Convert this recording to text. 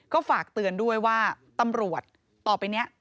ก็ฝากเตือนด้วยว่าตำรวจต่อไปนี้